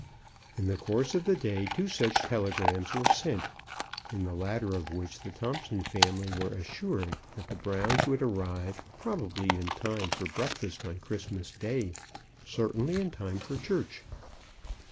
In the course of the day two such tele grams were sent, in the latter of which the Thompson family were assured that the Browns would arrive probably in time for breakfast on Christmas day, certainly in time for church.